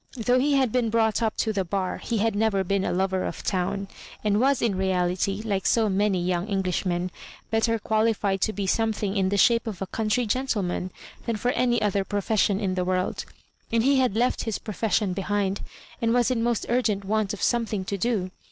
Though he had been brought up to the bar he had never been a lover of town, and was in reality, like so many young Englishmen, better qualified to be something in the shape of a country gentleman than for any other profession in the world, and he had left his profession behind, and was in most urgent want of something to do.